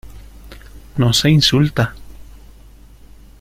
no se insulta.